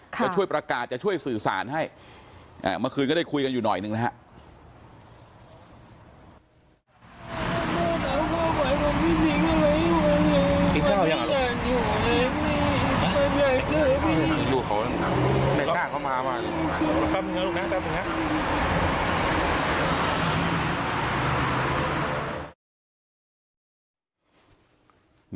จะช่วยประกาศจะช่วยสื่อสารให้เมื่อคืนก็ได้คุยกันอยู่หน่อยหนึ่งนะครับ